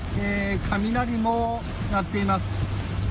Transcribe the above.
雷も鳴っています。